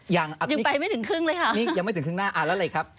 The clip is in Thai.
ยังไปไม่ถึงครึ่งเลยค่ะ